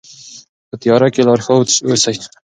په تیاره کې لارښود اوسئ.